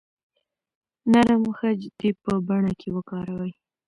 نرم خج دې په بڼه کې وکاروئ.